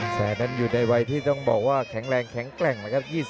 แสนนั้นอยู่ในวัยที่ต้องบอกว่าแข็งแรงแข็งแกร่งแล้วครับ